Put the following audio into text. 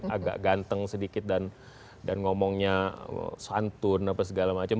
agak ganteng sedikit dan ngomongnya santun apa segala macam